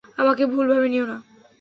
আমাকে ভুলভাবে নিও না।